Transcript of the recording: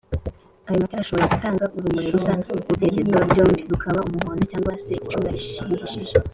ayo matara ashobora Gutanga urumuri rusa mubyerekezo byombi rukaba Umuhondo cg se icunga rihishije